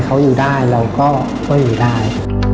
เขาอยู่ได้เราก็ช่วยอยู่ได้